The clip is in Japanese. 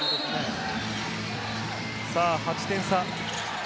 ８点差。